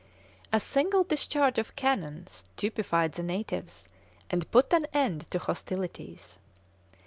A single discharge of cannon stupefied the natives, and put an end to hostilities.